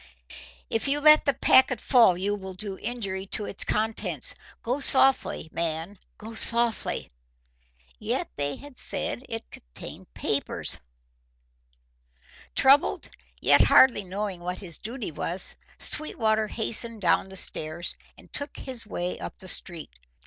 "If you let the packet fall you will do injury to its contents. Go softly, man, go softly!" Yet they had said it held papers! Troubled, yet hardly knowing what his duty was, Sweetwater hastened down the stairs, and took his way up the street.